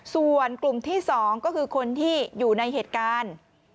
ส่วนกลุ่มที่๒ก็คือคนที่อยู่ในเหตุการณ์